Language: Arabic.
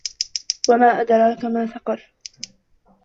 وما أدراك ما سقر